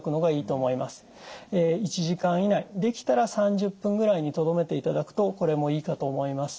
１時間以内できたら３０分ぐらいにとどめていただくとこれもいいかと思います。